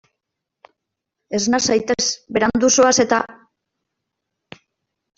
Esna zaitez, berandu zoaz eta.